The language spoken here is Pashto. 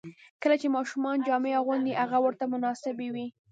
کله چې ماشوم جامې اغوندي، هغه ورته مناسبې وي.